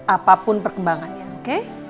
apapun perkembangannya oke